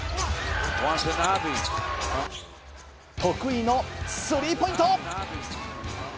得意のスリーポイント！